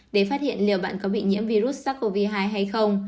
để phát hiện liệu bạn có bị nhiễm virus sars cov hai hay không